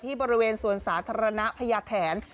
บริเวณสวนสาธารณะพญาแถน